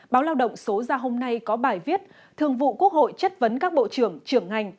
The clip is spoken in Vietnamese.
báo lao động số ra hôm nay có bài viết thường vụ quốc hội chất vấn các bộ trưởng trưởng ngành